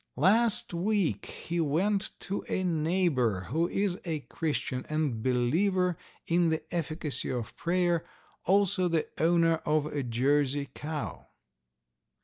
Last week he went to a neighbor who is a Christian and believer in the efficacy of prayer, also the owner of a Jersey cow.